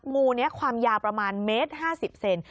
งูนี้ความยาวประมาณ๑๕๐เซนติเซน